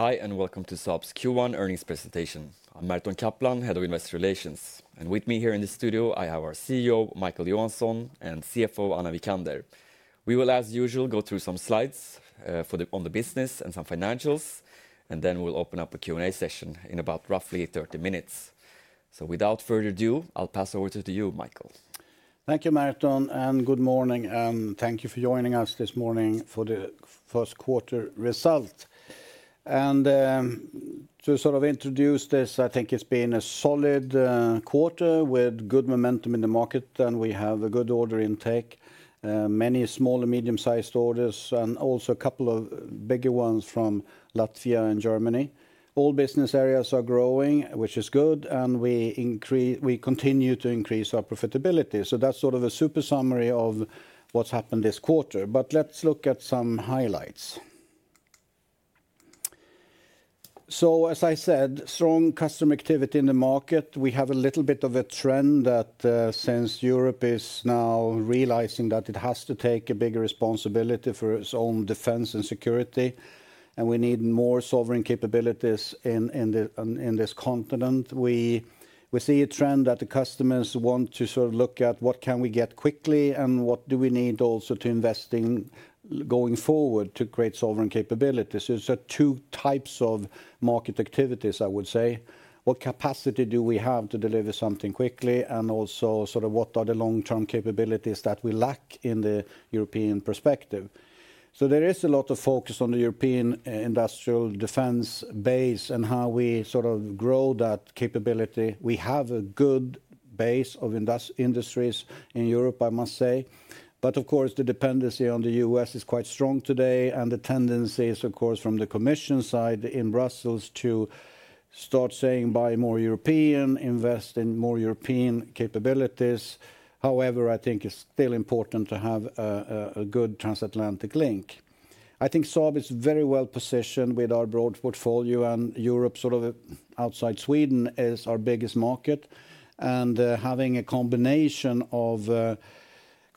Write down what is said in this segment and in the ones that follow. Hi, and welcome to Saab's Q1 earnings presentation. I'm Merton Kaplan, Head of Investor Relations. With me here in the studio, I have our CEO, Micael Johansson, and CFO, Anna Wijkander. We will, as usual, go through some slides on the business and some financials, and then we'll open up a Q&A session in about roughly 30 minutes. Without further ado, I'll pass over to you, Micael. Thank you, Merton, and good morning. Thank you for joining us this morning for the first quarter result. To sort of introduce this, I think it's been a solid quarter with good momentum in the market, and we have a good order intake, many small and medium-sized orders, and also a couple of bigger ones from Latvia and Germany. All business areas are growing, which is good, and we continue to increase our profitability. That is sort of a super summary of what's happened this quarter. Let's look at some highlights. As I said, strong customer activity in the market. We have a little bit of a trend that since Europe is now realizing that it has to take a bigger responsibility for its own defense and security, we need more sovereign capabilities in this continent. We see a trend that the customers want to sort of look at what can we get quickly and what do we need also to invest in going forward to create sovereign capabilities. There are two types of market activities, I would say. What capacity do we have to deliver something quickly, and also sort of what are the long-term capabilities that we lack in the European perspective? There is a lot of focus on the European industrial defense base and how we sort of grow that capability. We have a good base of industries in Europe, I must say. Of course, the dependency on the U.S. is quite strong today, and the tendency is, of course, from the Commission side in Brussels to start saying, buy more European, invest in more European capabilities. However, I think it's still important to have a good transatlantic link. I think Saab is very well positioned with our broad portfolio, and Europe sort of outside Sweden is our biggest market. Having a combination of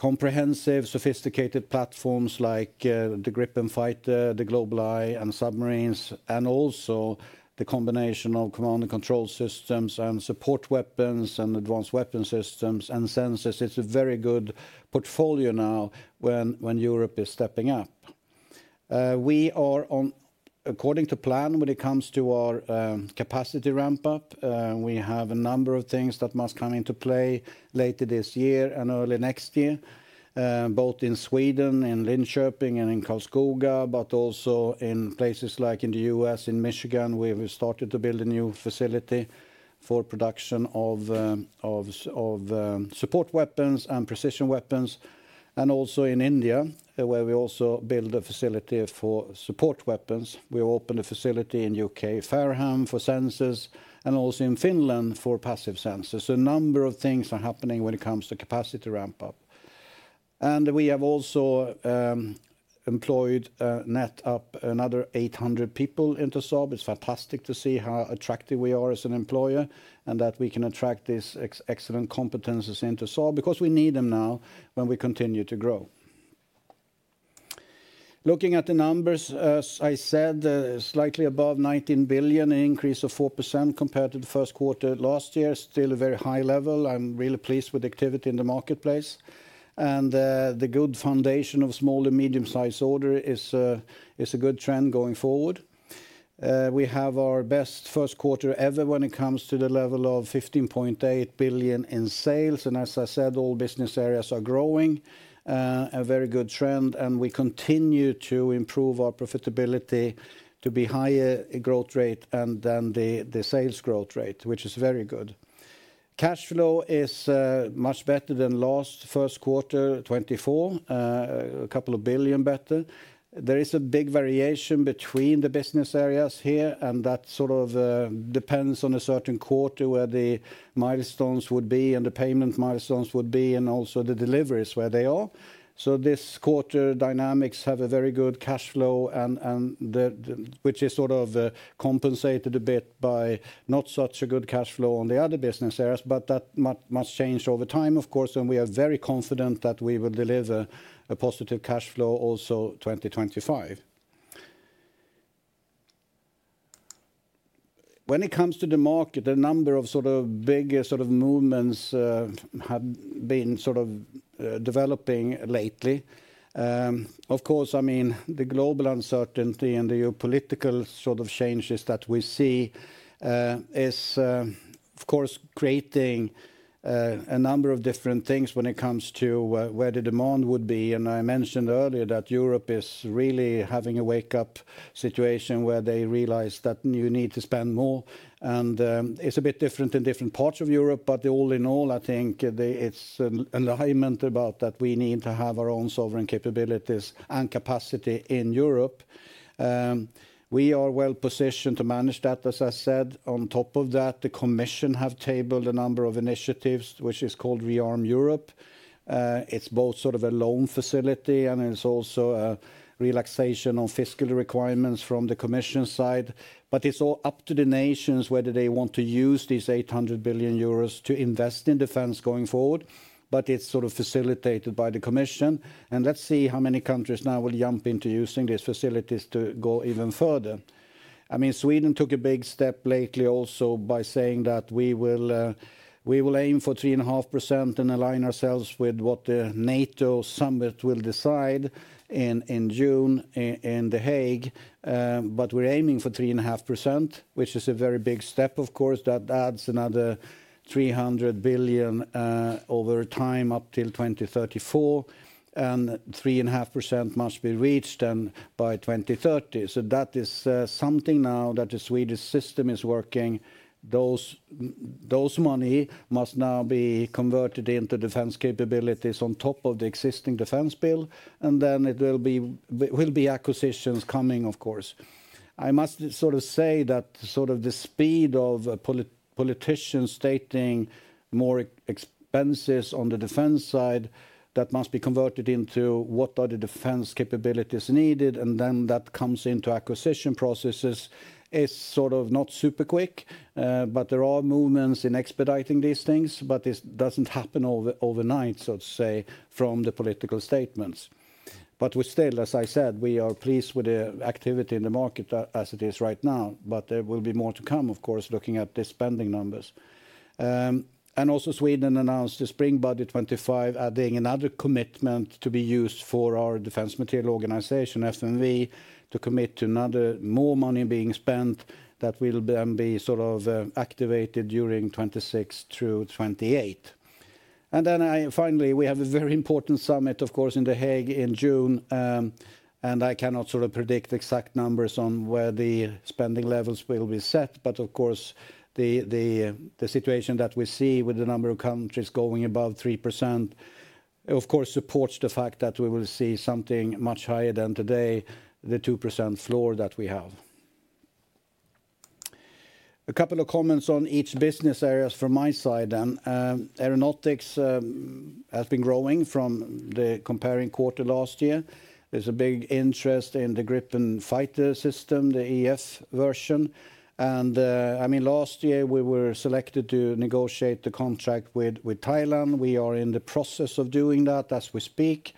comprehensive, sophisticated platforms like the Gripen fighter, the GlobalEye, and submarines, and also the combination of command and control systems and support weapons and advanced weapon systems and sensors, it's a very good portfolio now when Europe is stepping up. We are, according to plan, when it comes to our capacity ramp-up, we have a number of things that must come into play later this year and early next year, both in Sweden, in Linköping and in Karlskoga, also in places like in the U.S., in Michigan, where we started to build a new facility for production of support weapons and precision weapons. Also in India, where we also build a facility for support weapons. We opened a facility in the U.K., Fareham, for sensors, and also in Finland for passive sensors. A number of things are happening when it comes to capacity ramp-up. We have also employed, net up, another 800 people into Saab. It's fantastic to see how attractive we are as an employer and that we can attract these excellent competencies into Saab because we need them now when we continue to grow. Looking at the numbers, as I said, slightly above 19 billion, an increase of 4% compared to the first quarter last year, still a very high level. I'm really pleased with the activity in the marketplace. The good foundation of small and medium-sized order is a good trend going forward. We have our best first quarter ever when it comes to the level of 15.8 billion in sales. As I said, all business areas are growing, a very good trend, and we continue to improve our profitability to be higher growth rate and then the sales growth rate, which is very good. Cash flow is much better than last first quarter, 2024, a couple of billion better. There is a big variation between the business areas here, and that sort of depends on a certain quarter where the milestones would be and the payment milestones would be and also the deliveries where they are. This quarter Dynamics have a very good cash flow, which is sort of compensated a bit by not such a good cash flow on the other business areas, but that must change over time, of course, and we are very confident that we will deliver a positive cash flow also 2025. When it comes to the market, a number of sort of bigger sort of movements have been sort of developing lately. Of course, I mean, the global uncertainty and the geopolitical sort of changes that we see is, of course, creating a number of different things when it comes to where the demand would be. I mentioned earlier that Europe is really having a wake-up situation where they realize that you need to spend more. It's a bit different in different parts of Europe, but all in all, I think it's an alignment about that we need to have our own sovereign capabilities and capacity in Europe. We are well positioned to manage that, as I said. On top of that, the Commission has tabled a number of initiatives, which is called ReArm Europe. It's both sort of a loan facility, and it's also a relaxation on fiscal requirements from the Commission side. But it's all up to the nations whether they want to use these 800 billion euros to invest in defense going forward, but it's sort of facilitated by the Commission. Let's see how many countries now will jump into using these facilities to go even further. I mean, Sweden took a big step lately also by saying that we will aim for 3.5% and align ourselves with what the NATO summit will decide in June in The Hague. We're aiming for 3.5%, which is a very big step, of course, that adds another 300 billion over time up till 2034. 3.5% must be reached by 2030. That is something now that the Swedish system is working. Those money must now be converted into defense capabilities on top of the existing defense bill. It will be acquisitions coming, of course. I must sort of say that sort of the speed of politicians stating more expenses on the defense side that must be converted into what are the defense capabilities needed, and then that comes into acquisition processes is sort of not super quick, but there are movements in expediting these things. This does not happen overnight, so to say, from the political statements. We still, as I said, are pleased with the activity in the market as it is right now, but there will be more to come, of course, looking at the spending numbers. Also, Sweden announced the spring budget 2025, adding another commitment to be used for our Defense Material Organization, FMV, to commit to more money being spent that will then be sort of activated during 2026 through 2028. Finally, we have a very important summit, of course, in The Hague in June, and I cannot sort of predict exact numbers on where the spending levels will be set, but of course, the situation that we see with the number of countries going above 3% supports the fact that we will see something much higher than today, the 2% floor that we have. A couple of comments on each business area from my side then. Aeronautics has been growing from the comparing quarter last year. There is a big interest in the Gripen fighter system, the E/F version. I mean, last year we were selected to negotiate the contract with Thailand. We are in the process of doing that as we speak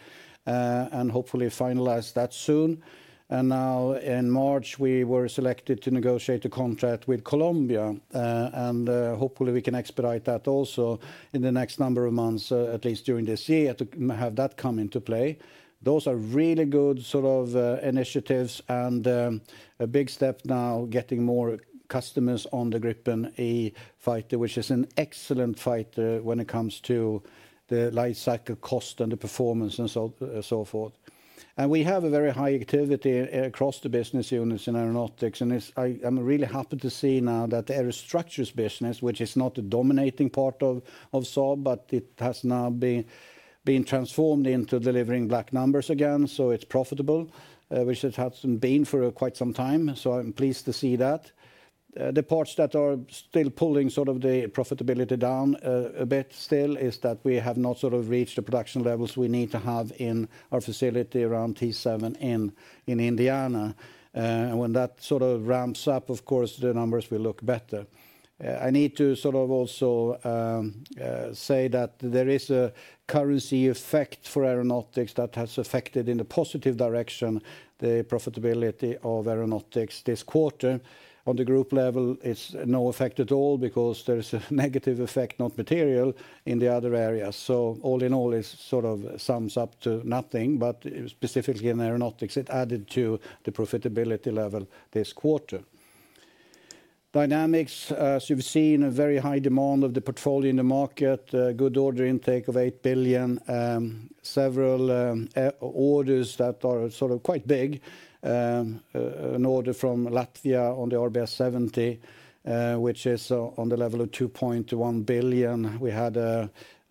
and hopefully finalize that soon. In March, we were selected to negotiate a contract with Colombia, and hopefully we can expedite that also in the next number of months, at least during this year, to have that come into play. Those are really good sort of initiatives and a big step now getting more customers on the Gripen E fighter, which is an excellent fighter when it comes to the life cycle cost and the performance and so forth. We have very high activity across the business units in aeronautics, and I'm really happy to see now that the Aerostructures business, which is not the dominating part of Saab, but it has now been transformed into delivering black numbers again, so it's profitable, which it hasn't been for quite some time. I am pleased to see that. The parts that are still pulling sort of the profitability down a bit still is that we have not sort of reached the production levels we need to have in our facility around T7 in Indiana. When that sort of ramps up, of course, the numbers will look better. I need to also say that there is a currency effect for aeronautics that has affected in the positive direction the profitability of aeronautics this quarter. On the group level, it's no effect at all because there is a negative effect, not material, in the other areas. All in all, it sort of sums up to nothing, but specifically in aeronautics, it added to the profitability level this quarter. Dynamics, as you've seen, a very high demand of the portfolio in the market, good order intake of 8 billion, several orders that are sort of quite big, an order from Latvia on the RBS 70, which is on the level of 2.1 billion. We had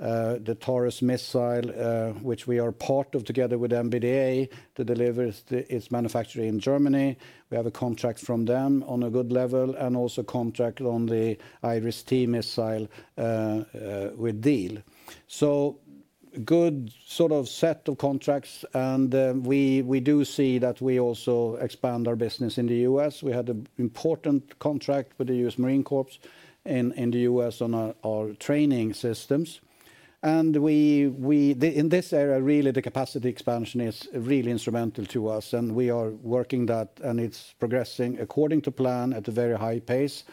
the Taurus missile, which we are part of together with MBDA to deliver its manufacturing in Germany. We have a contract from them on a good level and also a contract on the IRIS-T missile with Diehl. Good sort of set of contracts, and we do see that we also expand our business in the U.S. We had an important contract with the U.S. Marine Corps in the U.S. on our training systems. In this area, really, the capacity expansion is really instrumental to us, and we are working that, and it's progressing according to plan at a very high pace,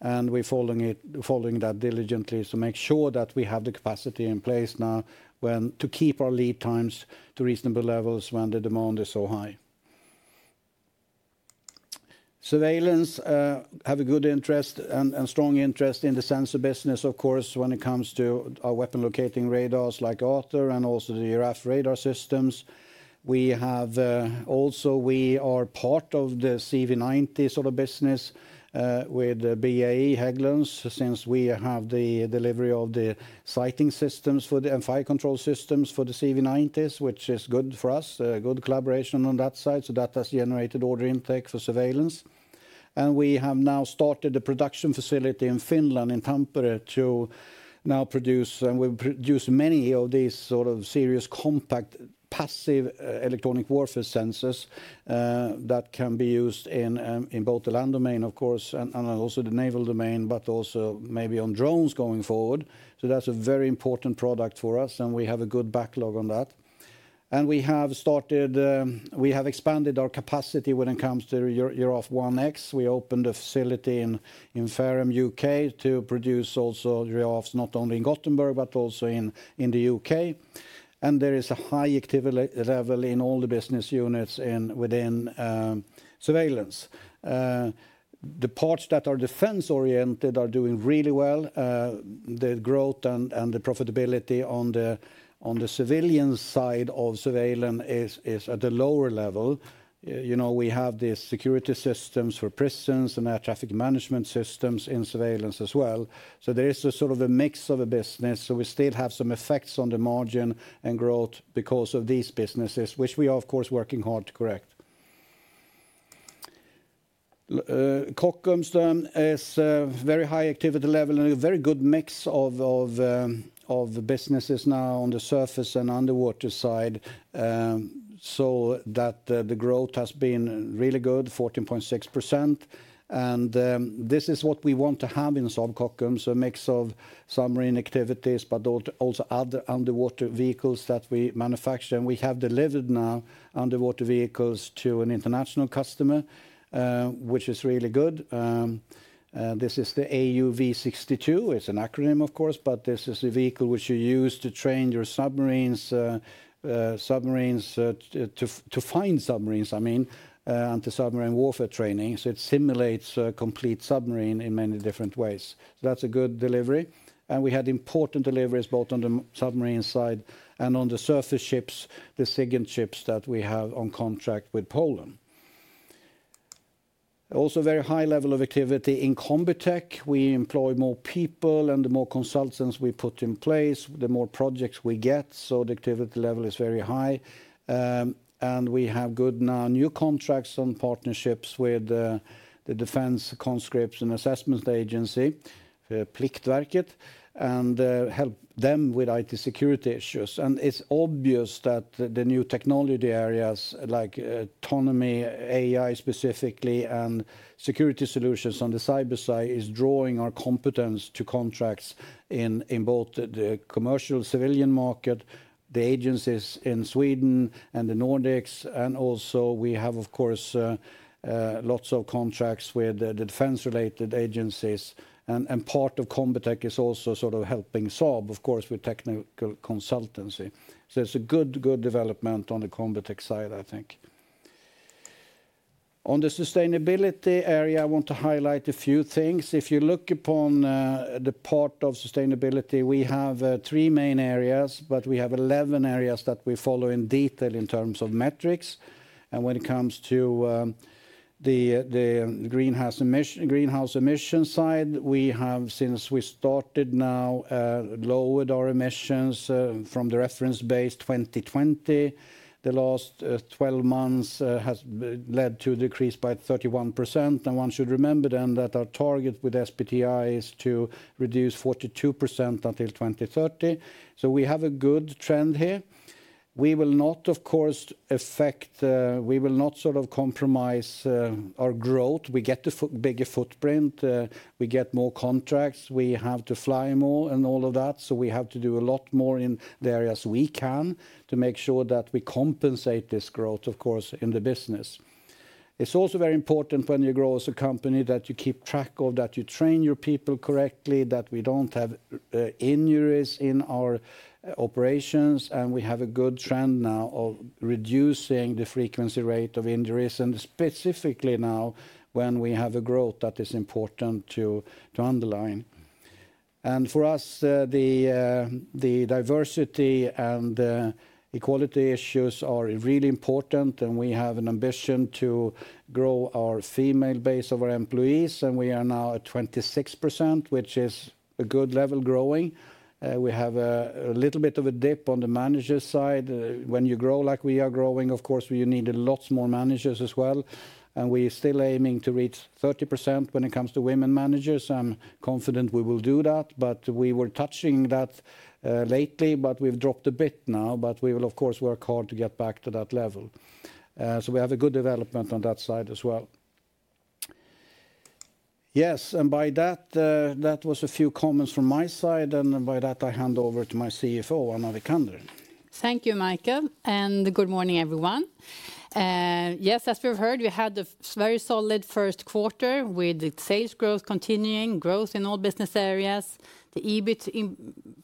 and we're following that diligently to make sure that we have the capacity in place now to keep our lead times to reasonable levels when the demand is so high. Surveillance have a good interest and strong interest in the sensor business, of course, when it comes to our weapon locating radars like Arthur and also the Giraffe radar systems. We have also, we are part of the CV90 sort of business with BAE Systems Hägglunds since we have the delivery of the sighting systems for the and fire control systems for the CV90s, which is good for us, good collaboration on that side. That has generated order intake for Surveillance. We have now started the production facility in Finland in Tampere to now produce, and we produce many of these sort of serious compact passive electronic warfare sensors that can be used in both the land domain, of course, and also the naval domain, but also maybe on drones going forward. That is a very important product for us, and we have a good backlog on that. We have started, we have expanded our capacity when it comes to Giraffe 1X. We opened a facility in Fareham, U.K., to produce also Giraffes not only in Gothenburg, but also in the U.K. There is a high activity level in all the business units within Surveillance. The parts that are defense-oriented are doing really well. The growth and the profitability on the civilian side of Surveillance is at a lower level. We have these security systems for prisons and air traffic management systems in Surveillance as well. There is a sort of a mix of a business. We still have some effects on the margin and growth because of these businesses, which we are, of course, working hard to correct. Kockums is a very high activity level and a very good mix of businesses now on the surface and underwater side so that the growth has been really good, 14.6%. This is what we want to have in Saab Kockums, so a mix of submarine activities, but also other underwater vehicles that we manufacture. We have delivered now underwater vehicles to an international customer, which is really good. This is the AUV-62. It's an acronym, of course, but this is a vehicle which you use to train your submarines, submarines to find submarines, I mean, anti-submarine warfare training. It simulates a complete submarine in many different ways. That's a good delivery. We had important deliveries both on the submarine side and on the surface ships, the SIGINT ships that we have on contract with Poland. Also a very high level of activity in Combitech. We employ more people and the more consultants we put in place, the more projects we get. The activity level is very high. We have good now new contracts on partnerships with the Defense Conscripts and Assessment Agency, Pliktverket, and help them with IT security issues. It is obvious that the new technology areas like autonomy, AI specifically, and security solutions on the cyber side are drawing our competence to contracts in both the commercial civilian market, the agencies in Sweden and the Nordics. We have, of course, lots of contracts with the defense-related agencies. Part of Combitech is also sort of helping Saab, of course, with technical consultancy. It is a good, good development on the Combitech side, I think. On the sustainability area, I want to highlight a few things. If you look upon the part of sustainability, we have three main areas, but we have 11 areas that we follow in detail in terms of metrics. When it comes to the greenhouse emission side, we have, since we started now, lowered our emissions from the reference base 2020. The last 12 months has led to a decrease by 31%. One should remember then that our target with SBTi is to reduce 42% until 2030. We have a good trend here. We will not, of course, affect, we will not sort of compromise our growth. We get a bigger footprint. We get more contracts. We have to fly more and all of that. We have to do a lot more in the areas we can to make sure that we compensate this growth, of course, in the business. It is also very important when you grow as a company that you keep track of, that you train your people correctly, that we do not have injuries in our operations. We have a good trend now of reducing the frequency rate of injuries and specifically now when we have a growth that is important to underline. For us, the diversity and equality issues are really important. We have an ambition to grow our female base of our employees. We are now at 26%, which is a good level growing. We have a little bit of a dip on the manager side. When you grow like we are growing, of course, you need lots more managers as well. We are still aiming to reach 30% when it comes to women managers. I'm confident we will do that, but we were touching that lately, but we've dropped a bit now. We will, of course, work hard to get back to that level. We have a good development on that side as well. Yes, that was a few comments from my side, and by that, I hand over to my CFO, Anna Wijkander. Thank you, Micael, and good morning, everyone. Yes, as we've heard, we had a very solid first quarter with sales growth continuing, growth in all business areas. The EBIT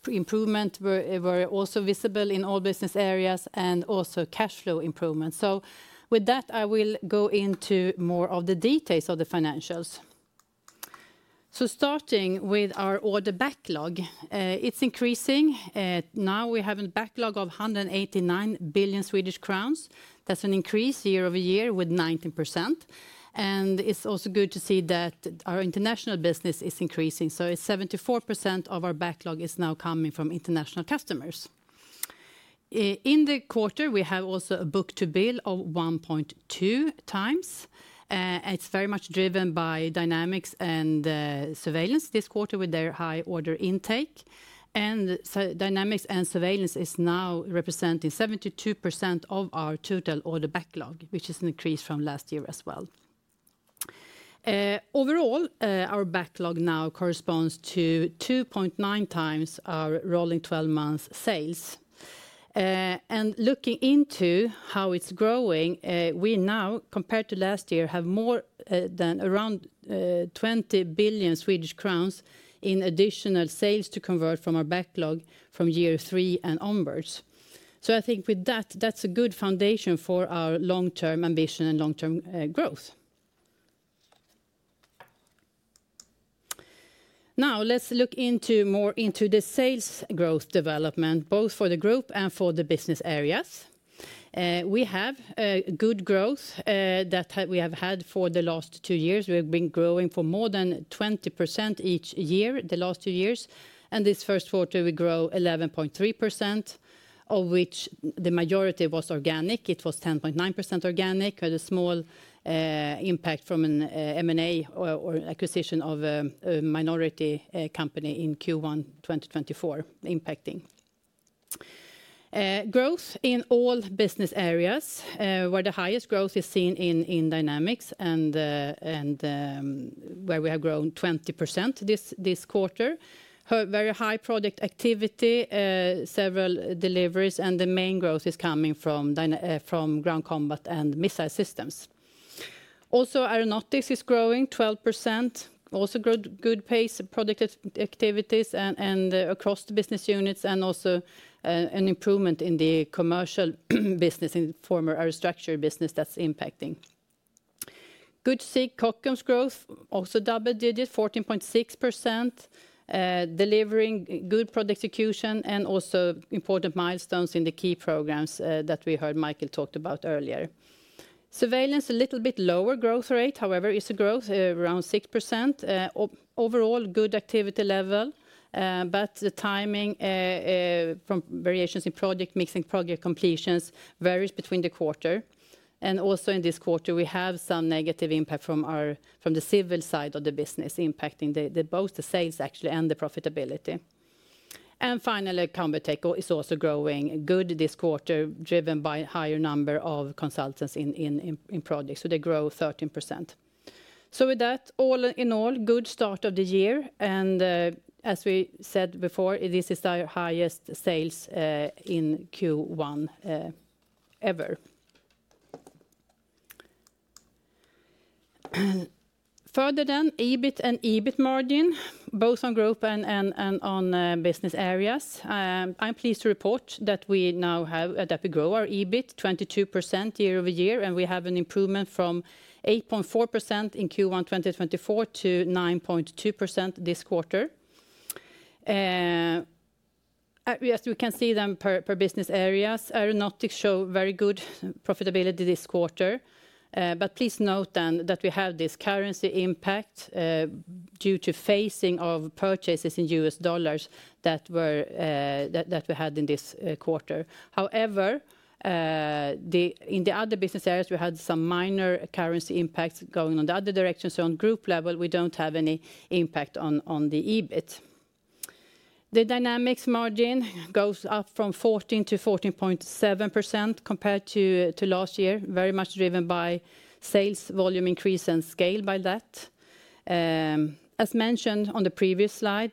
improvement was also visible in all business areas and also cash flow improvement. With that, I will go into more of the details of the financials. Starting with our order backlog, it's increasing. Now we have a backlog of 189 billion Swedish crowns. That's an increase year-over-year with 19%. It's also good to see that our international business is increasing. 74% of our backlog is now coming from international customers. In the quarter, we have also a book-to-bill of 1.2x. It's very much driven by Dynamics and Surveillance this quarter with their high order intake. Dynamics and Surveillance is now representing 72% of our total order backlog, which is an increase from last year as well. Overall, our backlog now corresponds to 2.9x our rolling 12 months sales. Looking into how it's growing, we now, compared to last year, have more than around 20 billion Swedish crowns in additional sales to convert from our backlog from year three and onwards. I think with that, that's a good foundation for our long-term ambition and long-term growth. Now let's look more into the sales growth development, both for the group and for the business areas. We have good growth that we have had for the last two years. We've been growing for more than 20% each year, the last two years. This first quarter, we grew 11.3%, of which the majority was organic. It was 10.9% organic, had a small impact from an M&A or acquisition of a minority company in Q1 2024, impacting. Growth in all business areas where the highest growth is seen in Dynamics and where we have grown 20% this quarter. Very high project activity, several deliveries, and the main growth is coming from ground combat and missile systems. Also, Aeronautics is growing 12%, also good pace of project activities and across the business units, and also an improvement in the commercial business, in former air structure business that's impacting. Good to see Kockums growth, also double digit, 14.6%, delivering good project execution and also important milestones in the key programs that we heard Micael talked about earlier. Surveillance, a little bit lower growth rate, however, is a growth around 6%. Overall, good activity level, but the timing from variations in project mixing, project completions varies between the quarter. Also in this quarter, we have some negative impact from the civil side of the business, impacting both the sales actually and the profitability. Finally, Combitech is also growing good this quarter, driven by a higher number of consultants in projects. They grow 13%. With that, all in all, good start of the year. As we said before, this is our highest sales in Q1 ever. Further, EBIT and EBIT margin, both on group and on business areas. I'm pleased to report that we now have that we grow our EBIT 22% year-over-year, and we have an improvement from 8.4% in Q1 2024 to 9.2% this quarter. Yes, we can see them per business areas. Aeronautics show very good profitability this quarter. Please note then that we have this currency impact due to phasing of purchases in U.S. dollars that we had in this quarter. However, in the other business areas, we had some minor currency impacts going on the other direction. On group level, we do not have any impact on the EBIT. The Dynamics margin goes up from 14%-14.7% compared to last year, very much driven by sales volume increase and scale by that. As mentioned on the previous slide,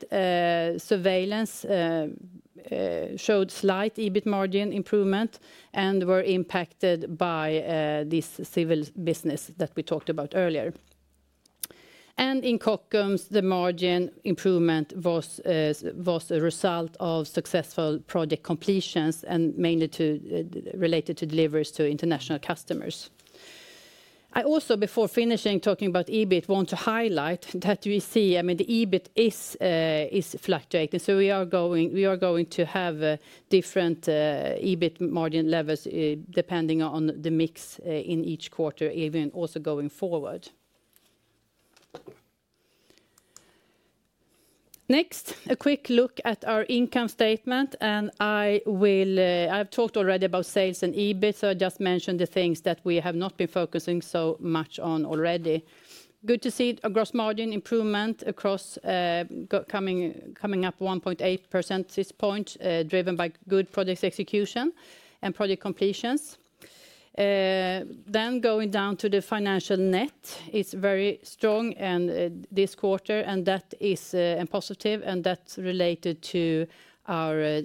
Surveillance showed slight EBIT margin improvement and were impacted by this civil business that we talked about earlier. In Kockums, the margin improvement was a result of successful project completions and mainly related to deliveries to international customers. I also, before finishing talking about EBIT, want to highlight that we see, I mean, the EBIT is fluctuating. We are going to have different EBIT margin levels depending on the mix in each quarter, even also going forward. Next, a quick look at our income statement. I have talked already about sales and EBIT, so I just mention the things that we have not been focusing so much on already. Good to see a gross margin improvement across coming up 1.8% at this point, driven by good project execution and project completions. Going down to the financial net, it is very strong this quarter, and that is positive. That is related to our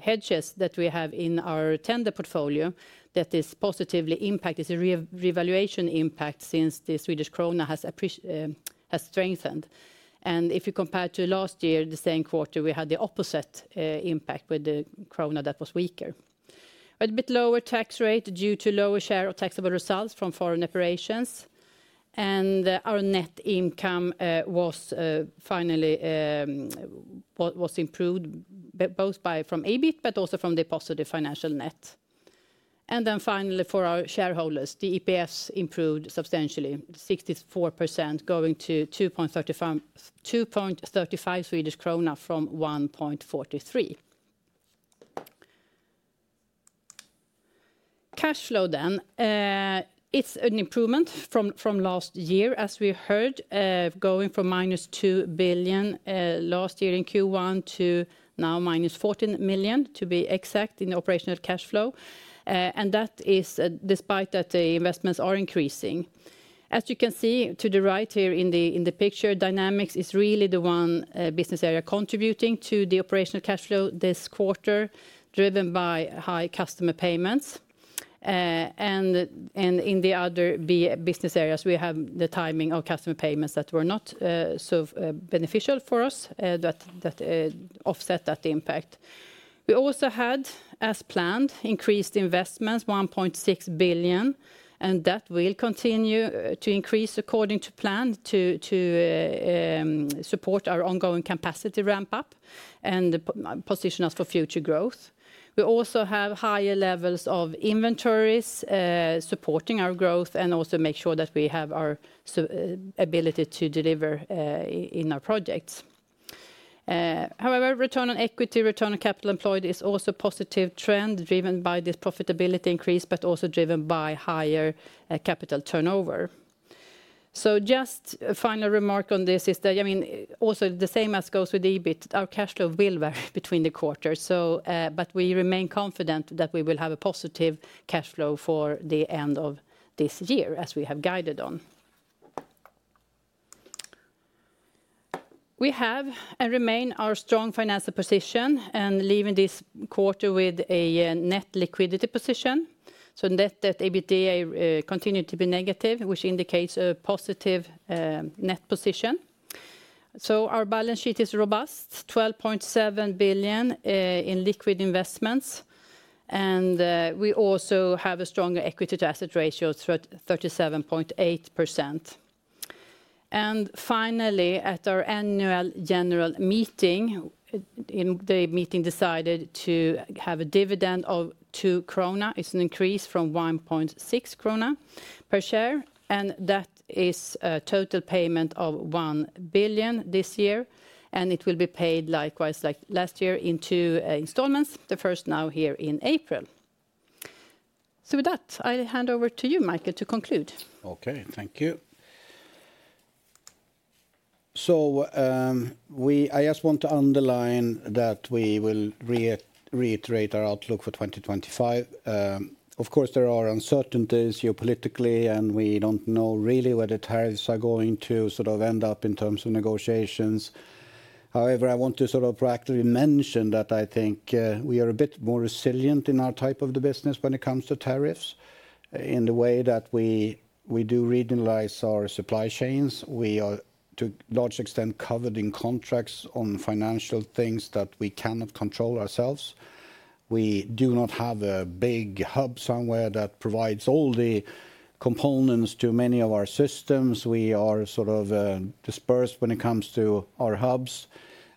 hedges that we have in our tender portfolio that is positively impacted. It is a revaluation impact since the Swedish krona has strengthened. If you compare to last year, the same quarter, we had the opposite impact with the krona that was weaker. A bit lower tax rate due to lower share of taxable results from foreign operations. Our net income was finally improved both from EBIT, but also from the positive financial net. Finally, for our shareholders, the EPS improved substantially, 64%, going to 2.35 Swedish krona from 1.43. Cash flow then, it is an improvement from last year, as we heard, going from minus 2 billion last year in Q1 to now minus 14 million, to be exact, in the operational cash flow. That is despite that the investments are increasing. As you can see to the right here in the picture, Dynamics is really the one business area contributing to the operational cash flow this quarter, driven by high customer payments. In the other business areas, we have the timing of customer payments that were not so beneficial for us that offset that impact. We also had, as planned, increased investments, 1.6 billion, and that will continue to increase according to plan to support our ongoing capacity ramp-up and position us for future growth. We also have higher levels of inventories supporting our growth and also make sure that we have our ability to deliver in our projects. However, return on equity, return on capital employed is also a positive trend driven by this profitability increase, but also driven by higher capital turnover. Just a final remark on this is that, I mean, also the same as goes with EBIT, our cash flow will vary between the quarters. We remain confident that we will have a positive cash flow for the end of this year, as we have guided on. We have and remain our strong financial position and leaving this quarter with a net liquidity position. Net Debt / EBITDA continued to be negative, which indicates a positive net position. Our balance sheet is robust, 12.7 billion in liquid investments. We also have a stronger equity to asset ratio of 37.8%. Finally, at our annual general meeting, the meeting decided to have a dividend of 2.00 krona. It is an increase from 1.60 krona per share. That is a total payment of 1 billion this year. It will be paid likewise like last year in two installments, the first now here in April. With that, I hand over to you, Micael, to conclude. Okay, thank you. I just want to underline that we will reiterate our outlook for 2025. Of course, there are uncertainties geopolitically, and we do not know really where the tariffs are going to sort of end up in terms of negotiations. However, I want to sort of practically mention that I think we are a bit more resilient in our type of the business when it comes to tariffs in the way that we do regionalize our supply chains. We are, to a large extent, covered in contracts on financial things that we cannot control ourselves. We do not have a big hub somewhere that provides all the components to many of our systems. We are sort of dispersed when it comes to our hubs.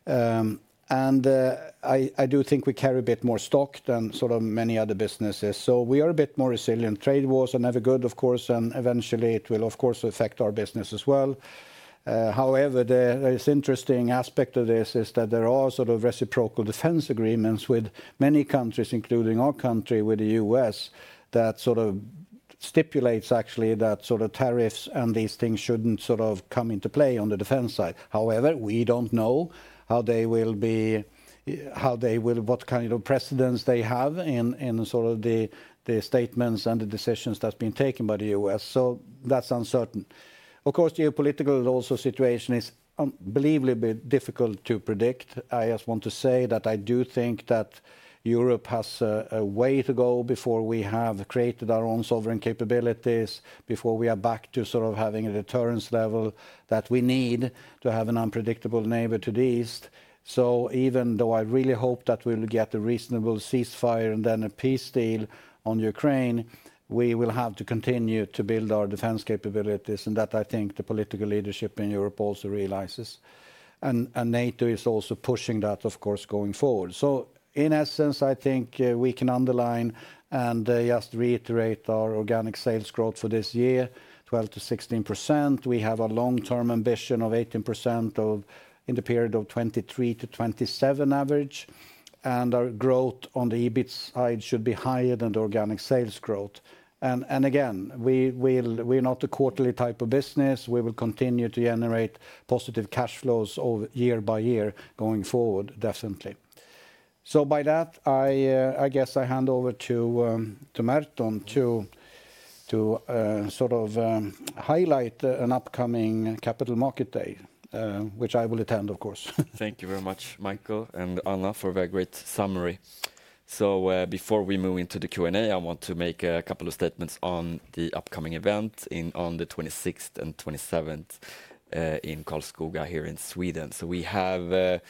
I do think we carry a bit more stock than sort of many other businesses. We are a bit more resilient. Trade wars are never good, of course, and eventually it will, of course, affect our business as well. However, the interesting aspect of this is that there are sort of reciprocal defense agreements with many countries, including our country with the U.S., that sort of stipulates actually that sort of tariffs and these things shouldn't sort of come into play on the defense side. However, we don't know how they will be, what kind of precedence they have in sort of the statements and the decisions that have been taken by the U.S. So that's uncertain. Of course, geopolitical also situation is unbelievably difficult to predict. I just want to say that I do think that Europe has a way to go before we have created our own sovereign capabilities, before we are back to sort of having a deterrence level that we need to have an unpredictable neighbor to the east. Even though I really hope that we will get a reasonable ceasefire and then a peace deal on Ukraine, we will have to continue to build our defense capabilities. That, I think, the political leadership in Europe also realizes. NATO is also pushing that, of course, going forward. In essence, I think we can underline and just reiterate our organic sales growth for this year, 12%-16%. We have a long-term ambition of 18% in the period of 2023-2027 average. Our growth on the EBIT side should be higher than the organic sales growth. Again, we're not a quarterly type of business. We will continue to generate positive cash flows year by year going forward, definitely. By that, I guess I hand over to Merton to sort of highlight an upcoming capital market day, which I will attend, of course. Thank you very much, Micael and Anna, for a very great summary. Before we move into the Q&A, I want to make a couple of statements on the upcoming event on the 26th and 27th in Karlskoga here in Sweden. We have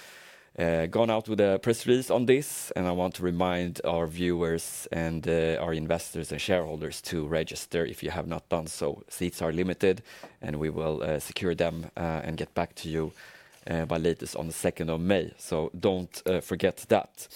gone out with a press release on this. I want to remind our viewers and our investors and shareholders to register if you have not done so. Seats are limited, and we will secure them and get back to you by latest on the 2nd of May. Do not forget that.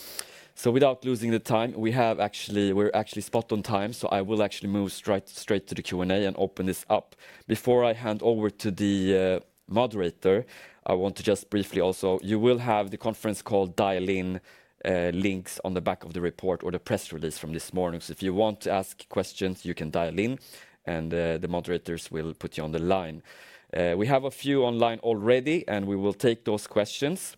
Without losing the time, we are actually spot on time. I will actually move straight to the Q&A and open this up. Before I hand over to the moderator, I want to just briefly also, you will have the conference call dial-in links on the back of the report or the press release from this morning. If you want to ask questions, you can dial in, and the moderators will put you on the line. We have a few online already, and we will take those questions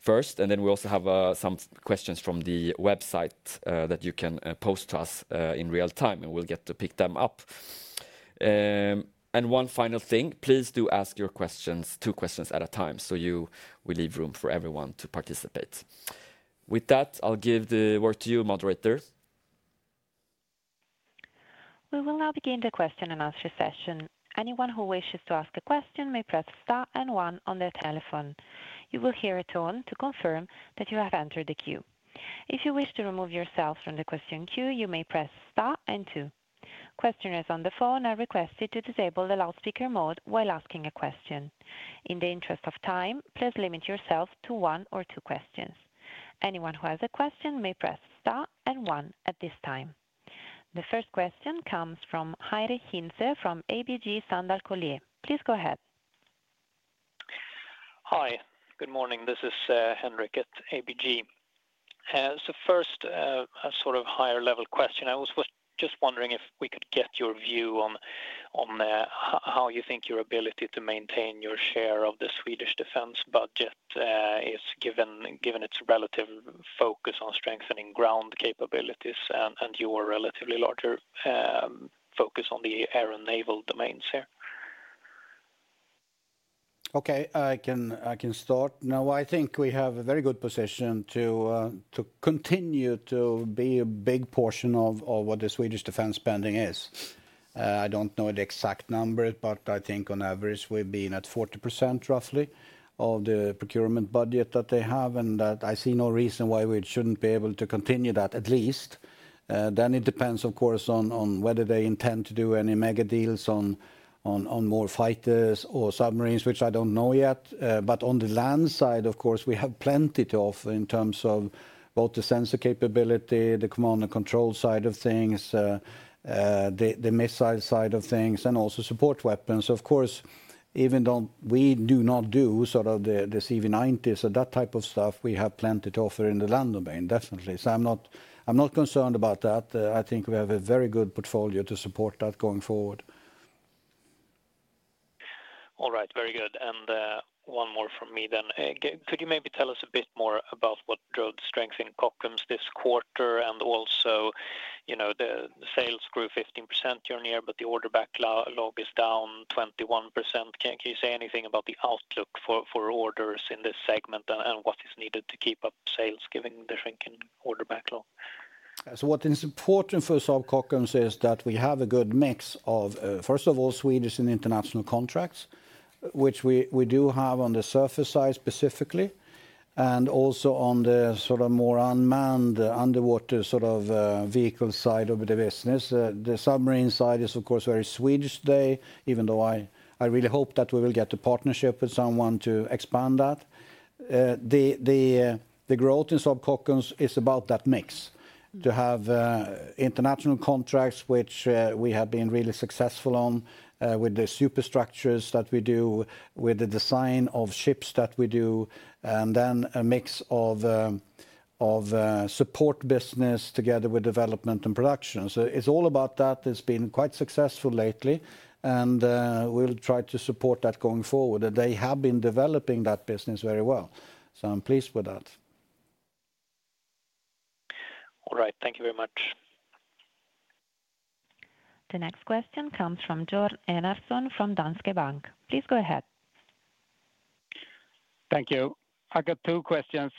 first. We also have some questions from the website that you can post to us in real time, and we'll get to pick them up. One final thing, please do ask your questions, two questions at a time, so we leave room for everyone to participate. With that, I'll give the word to you, Operator. We will now begin the question and answer session. Anyone who wishes to ask a question may press star and one on their telephone. You will hear a tone to confirm that you have entered the queue. If you wish to remove yourself from the question queue, you may press star and two. Questioners on the phone are requested to disable the loudspeaker mode while asking a question. In the interest of time, please limit yourself to one or two questions. Anyone who has a question may press star and one at this time. The first question comes from Henric Hintze from ABG Sundal Collier. Please go ahead. Hi, good morning. This is Henric at ABG. First, a sort of higher level question. I was just wondering if we could get your view on how you think your ability to maintain your share of the Swedish defense budget is given its relative focus on strengthening ground capabilities and your relatively larger focus on the air and naval domains here. Okay, I can start. No, I think we have a very good position to continue to be a big portion of what the Swedish defense spending is. I don't know the exact number, but I think on average we've been at 40% roughly of the procurement budget that they have. I see no reason why we shouldn't be able to continue that at least. It depends, of course, on whether they intend to do any mega deals on more fighters or submarines, which I don't know yet. On the land side, of course, we have plenty to offer in terms of both the sensor capability, the command and control side of things, the missile side of things, and also support weapons. Of course, even though we do not do sort of the CV90s and that type of stuff, we have plenty to offer in the land domain, definitely. I'm not concerned about that. I think we have a very good portfolio to support that going forward. All right, very good. One more from me then. Could you maybe tell us a bit more about what drove the strength in Kockums this quarter and also the sales grew 15% year-on-year, but the order backlog is down 21%? Can you say anything about the outlook for orders in this segment and what is needed to keep up sales given the shrinking order backlog? What is important for Saab Kockums is that we have a good mix of, first of all, Swedish and international contracts, which we do have on the surface side specifically, and also on the sort of more unmanned underwater sort of vehicle side of the business. The submarine side is, of course, very Swedish today, even though I really hope that we will get a partnership with someone to expand that. The growth in Saab Kockums is about that mix, to have international contracts, which we have been really successful on with the superstructures that we do, with the design of ships that we do, and then a mix of support business together with development and production. It is all about that. It has been quite successful lately, and we will try to support that going forward. They have been developing that business very well. I am pleased with that. All right, thank you very much. The next question comes from Björn Enarsson from Danske Bank. Please go ahead. Thank you. I got two questions.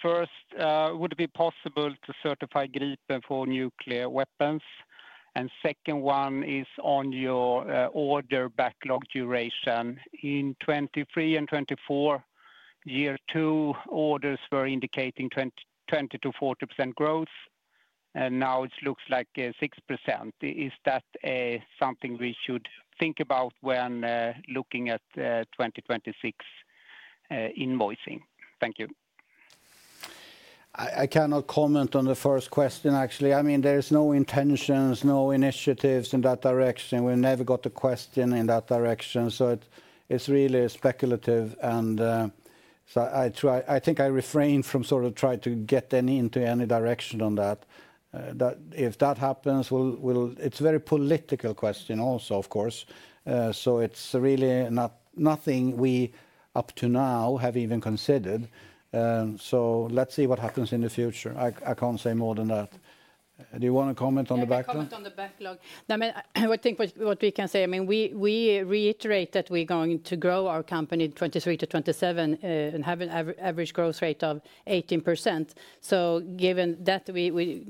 First, would it be possible to certify Gripen for nuclear weapons? The second one is on your order backlog duration. In 2023 and 2024, year two orders were indicating 20%-40% growth, and now it looks like 6%. Is that something we should think about when looking at 2026 invoicing? Thank you. I cannot comment on the first question, actually. I mean, there is no intentions, no initiatives in that direction. We never got the question in that direction. It is really speculative. I think I refrain from sort of trying to get into any direction on that. If that happens, it is a very political question also, of course. It is really nothing we up to now have even considered. Let us see what happens in the future. I cannot say more than that. Do you want to comment on the backlog? I cannot comment on the backlog. No, I mean, I think what we can say, I mean, we reiterate that we're going to grow our company 2023 to 2027 and have an average growth rate of 18%. Given that, we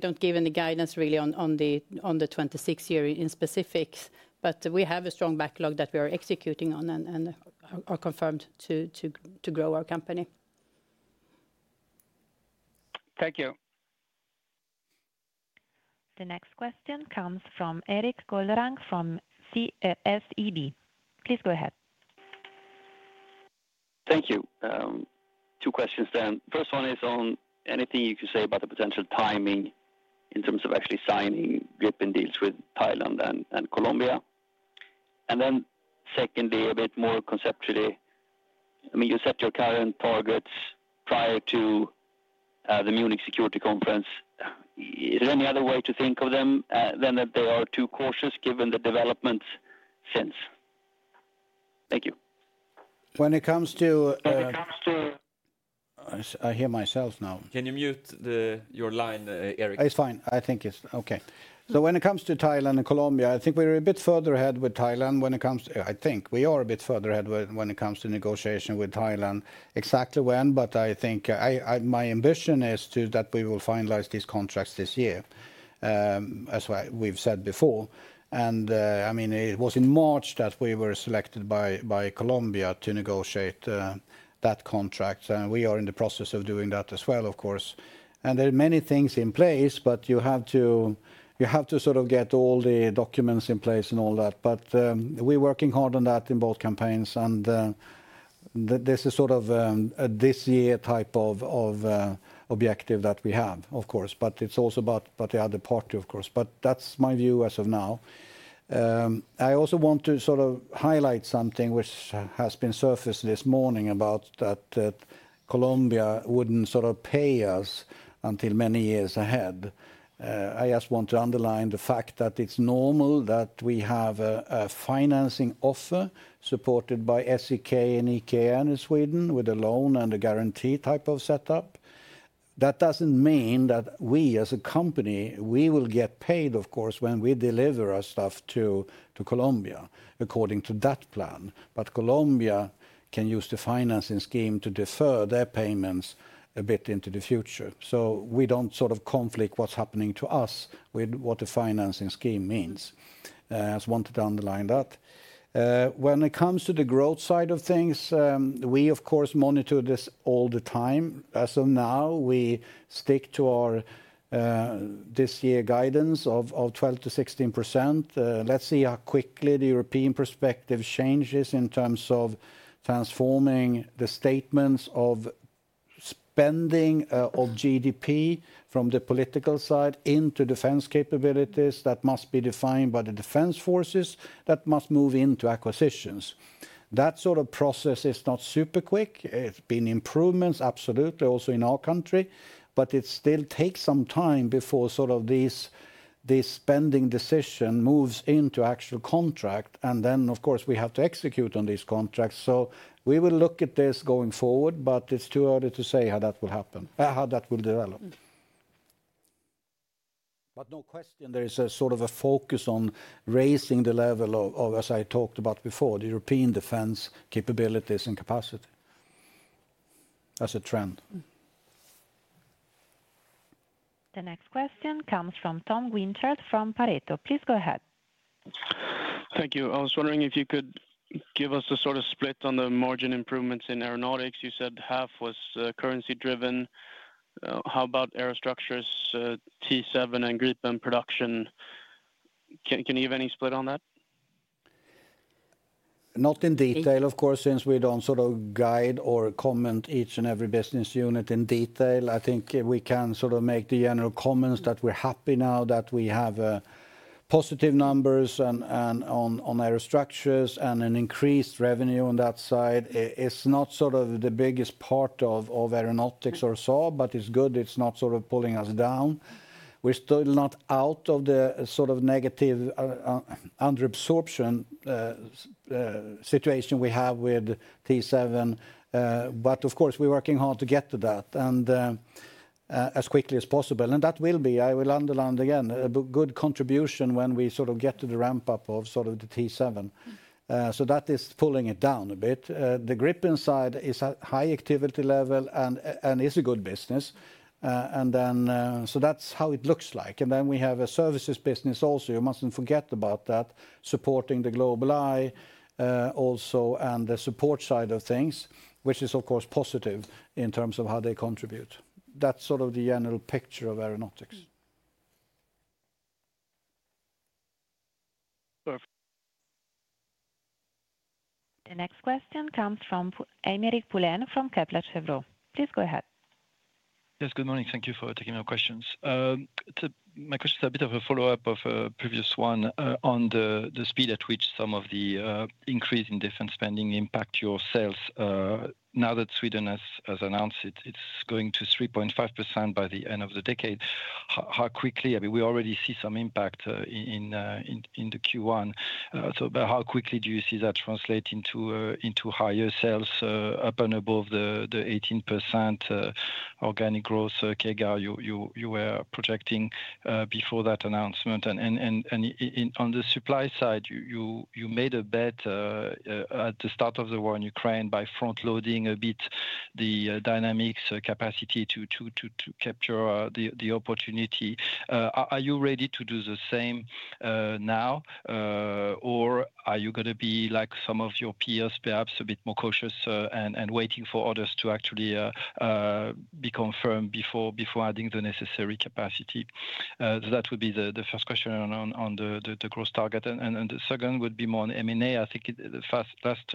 don't give any guidance really on the 2026 year in specifics, but we have a strong backlog that we are executing on and are confirmed to grow our company. Thank you. The next question comes from Erik Golrang from SEB. Please go ahead. Thank you. Two questions then. First one is on anything you can say about the potential timing in terms of actually signing Gripen deals with Thailand and Colombia. Secondly, a bit more conceptually, I mean, you set your current targets prior to the Munich Security Conference. Is there any other way to think of them than that they are too cautious given the developments since? Thank you. When it comes to Thailand and Colombia, I think we are a bit further ahead with Thailand when it comes to negotiation with Thailand. Exactly when, but I think my ambition is that we will finalize these contracts this year, as we've said before. I mean, it was in March that we were selected by Colombia to negotiate that contract. We are in the process of doing that as well, of course. There are many things in place, but you have to sort of get all the documents in place and all that. We are working hard on that in both campaigns. This is sort of a this year type of objective that we have, of course. It is also about the other party, of course. That is my view as of now. I also want to sort of highlight something which has been surfaced this morning about that Colombia would not sort of pay us until many years ahead. I just want to underline the fact that it is normal that we have a financing offer supported by SEK and EKN in Sweden with a loan and a guarantee type of setup. That does not mean that we as a company, we will get paid, of course, when we deliver our stuff to Colombia according to that plan. Colombia can use the financing scheme to defer their payments a bit into the future. We do not sort of conflict what is happening to us with what the financing scheme means. I just wanted to underline that. When it comes to the growth side of things, we, of course, monitor this all the time. As of now, we stick to our this year guidance of 12-16%. Let's see how quickly the European perspective changes in terms of transforming the statements of spending of GDP from the political side into defense capabilities that must be defined by the defense forces that must move into acquisitions. That sort of process is not super quick. It's been improvements, absolutely, also in our country. It still takes some time before sort of this spending decision moves into actual contract. Of course, we have to execute on these contracts. We will look at this going forward, but it's too early to say how that will happen, how that will develop. There is a sort of a focus on raising the level of, as I talked about before, the European defense capabilities and capacity as a trend. The next question comes from Tom Guinchard from Pareto. Please go ahead. Thank you. I was wondering if you could give us a sort of split on the margin improvements in aeronautics. You said half was currency driven. How about Aerostructures, T7 and Gripen production? Can you give any split on that? Not in detail, of course, since we do not sort of guide or comment each and every business unit in detail. I think we can sort of make the general comments that we are happy now that we have positive numbers on Aerostructures and an increased revenue on that side. It is not sort of the biggest part of aeronautics or Saab, but it is good. It's not sort of pulling us down. We're still not out of the sort of negative underabsorption situation we have with T7. Of course, we're working hard to get to that as quickly as possible. That will be, I will underline again, a good contribution when we sort of get to the ramp-up of the T7. That is pulling it down a bit. The Gripen side is a high activity level and is a good business. That's how it looks like. We have a services business also. You mustn't forget about that, supporting the GlobalEye also and the support side of things, which is, of course, positive in terms of how they contribute. That's sort of the general picture of aeronautics. The next question comes from Aymeric Poulain from Kepler Cheuvreux. Please go ahead. Yes, good morning. Thank you for taking my questions. My question is a bit of a follow-up of a previous one on the speed at which some of the increase in defense spending impacts your sales. Now that Sweden has announced it's going to 3.5% by the end of the decade, how quickly, I mean, we already see some impact in the Q1. How quickly do you see that translate into higher sales, up and above the 18% organic growth CAGR you were projecting before that announcement? On the supply side, you made a bet at the start of the war in Ukraine by front-loading a bit the dynamics, capacity to capture the opportunity. Are you ready to do the same now, or are you going to be like some of your peers, perhaps a bit more cautious and waiting for others to actually become firm before adding the necessary capacity? That would be the first question on the growth target. The second would be more on M&A. I think the last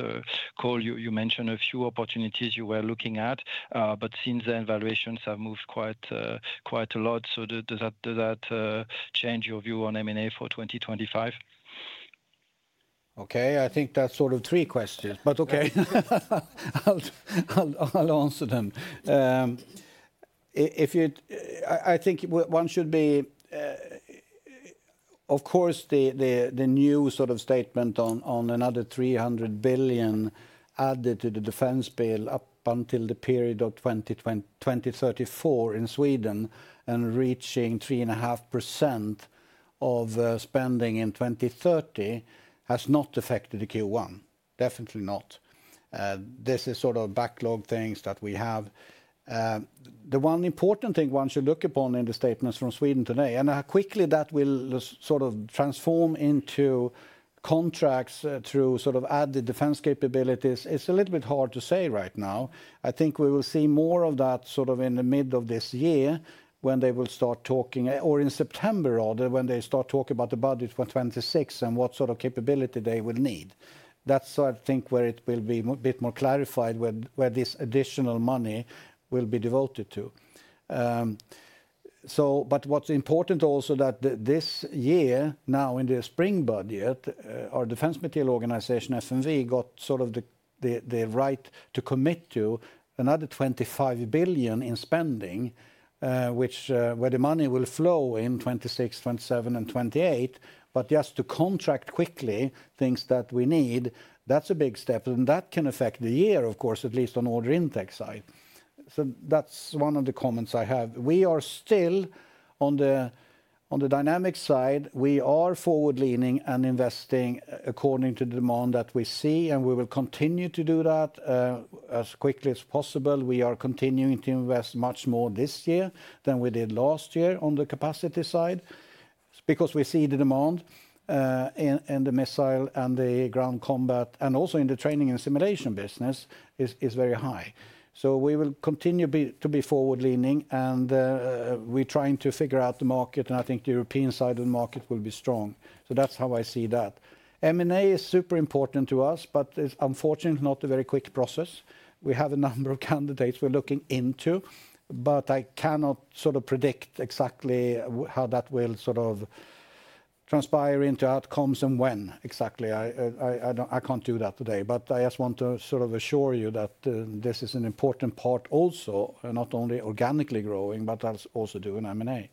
call you mentioned a few opportunities you were looking at, but since then valuations have moved quite a lot. Does that change your view on M&A for 2025? Okay, I think that's sort of three questions, but okay, I'll answer them. I think one should be, of course, the new sort of statement on another 300 billion added to the defense bill up until the period of 2034 in Sweden and reaching 3.5% of spending in 2030 has not affected the Q1. Definitely not. This is sort of backlog things that we have. The one important thing one should look upon in the statements from Sweden today, and how quickly that will sort of transform into contracts through sort of added defense capabilities, it's a little bit hard to say right now. I think we will see more of that sort of in the middle of this year when they will start talking, or in September rather, when they start talking about the budget for 2026 and what sort of capability they will need. That's, I think, where it will be a bit more clarified where this additional money will be devoted to. What's important also is that this year now in the spring budget, our defense material organization, FMV, got sort of the right to commit to another 25 billion in spending, where the money will flow in 2026, 2027, and 2028, just to contract quickly things that we need. That's a big step. That can affect the year, of course, at least on the order index side. That's one of the comments I have. We are still on the Dynamics side. We are forward-leaning and investing according to the demand that we see, and we will continue to do that as quickly as possible. We are continuing to invest much more this year than we did last year on the capacity side because we see the demand in the missile and the ground combat and also in the training and simulation business is very high. We will continue to be forward-leaning, and we're trying to figure out the market, and I think the European side of the market will be strong. That's how I see that. M&A is super important to us, but it's unfortunately not a very quick process. We have a number of candidates we're looking into, but I cannot sort of predict exactly how that will sort of transpire into outcomes and when exactly. I can't do that today, but I just want to sort of assure you that this is an important part also, not only organically growing, but also doing M&A. Thank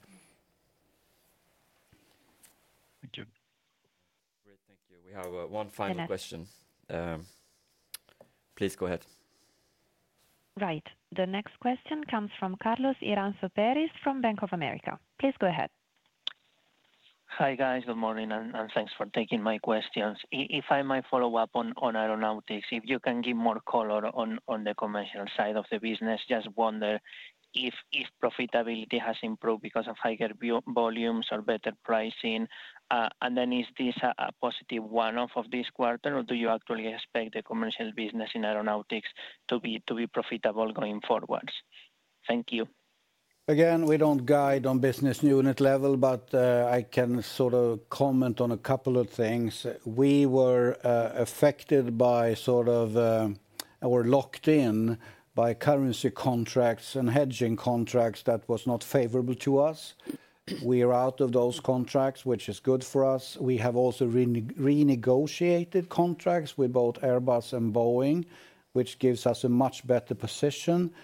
you. Great, thank you. We have one final question. Please go ahead. Right. The next question comes from Carlos Iranzo Peris from BofA Securities. Please go ahead. Hi guys, good morning, and thanks for taking my questions. If I might follow up on aeronautics, if you can give more color on the commercial side of the business, just wonder if profitability has improved because of higher volumes or better pricing. Is this a positive one-off of this quarter, or do you actually expect the commercial business in aeronautics to be profitable going forwards? Thank you. Again, we do not guide on business unit level, but I can sort of comment on a couple of things. We were affected by sort of or locked in by currency contracts and hedging contracts that were not favorable to us. We are out of those contracts, which is good for us. We have also renegotiated contracts with both Airbus and Boeing, which gives us a much better position.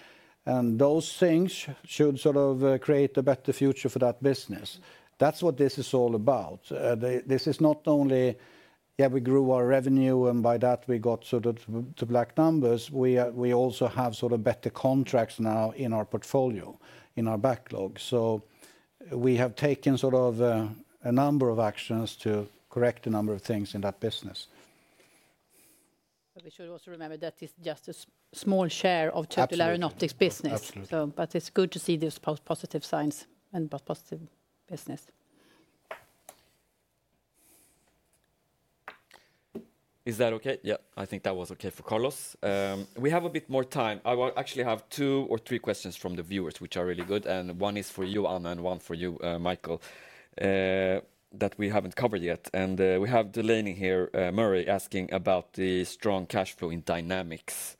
Those things should sort of create a better future for that business. That is what this is all about. This is not only, yeah, we grew our revenue, and by that we got sort of to black numbers. We also have sort of better contracts now in our portfolio, in our backlog. We have taken sort of a number of actions to correct a number of things in that business. We should also remember that it's just a small share of total aeronautics business. It is good to see these positive signs and positive business. Is that okay? Yeah, I think that was okay for Carlos. We have a bit more time. I actually have two or three questions from the viewers, which are really good. One is for you, Anna, and one for you, Micael, that we have not covered yet. We have Delaney here, Murray, asking about the strong cash flow in Dynamics.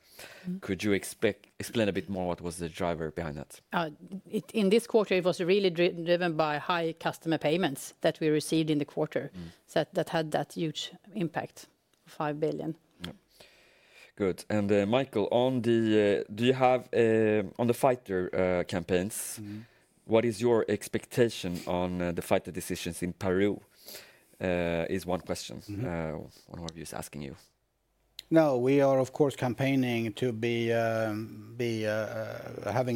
Could you explain a bit more what was the driver behind that? In this quarter, it was really driven by high customer payments that we received in the quarter that had that huge impact, 5 billion. Good. And Micael, on the do you have on the fighter campaigns, what is your expectation on the fighter decisions in Peru is one question one of our viewers asking you. No, we are, of course, campaigning to be having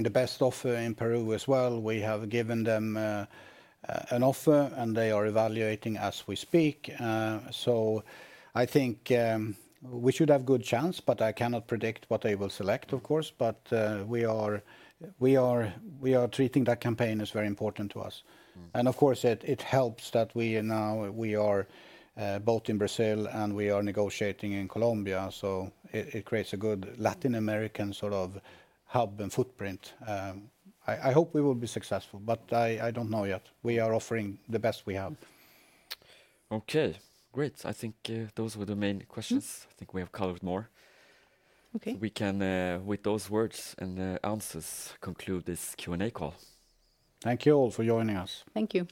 the best offer in Peru as well. We have given them an offer, and they are evaluating as we speak. I think we should have a good chance, but I cannot predict what they will select, of course. We are treating that campaign as very important to us. It helps that we now we are both in Brazil and we are negotiating in Colombia. It creates a good Latin American sort of hub and footprint. I hope we will be successful, but I do not know yet. We are offering the best we have. Okay, great. I think those were the main questions. I think we have covered more. We can, with those words and answers, conclude this Q&A call. Thank you all for joining us. Thank you.